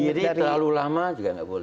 berdiri terlalu lama juga tidak boleh